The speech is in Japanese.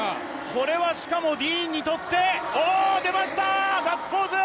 これはしかもディーンにとっておおっ、出ました、ガッツポーズ！